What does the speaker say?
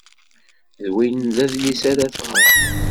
D win ay d adlis ara tɣer.